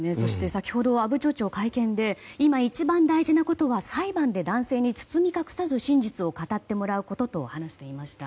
先ほど阿武町長会見で、今一番大事なことは裁判で男性に包み隠さず真実を語ってもらうことと話していました。